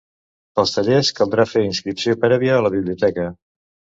Pels tallers caldrà fer inscripció prèvia a la Biblioteca.